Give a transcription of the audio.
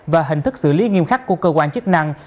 và hình thức xử lý nghiêm khắc của cơ quan chức năng